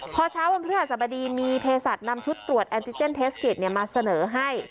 พอเช้าวันพฤหัสบดีมีเพศสัตว์นำชุดตรวจแอนติเจนเทสเก็ตมาเสนอให้